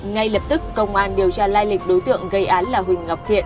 ngay lập tức công an điều tra lai lịch đối tượng gây án là huỳnh ngọc thiện